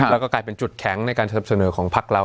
แล้วก็กลายเป็นจุดแข็งในการที่จะเสนอของภัคเรา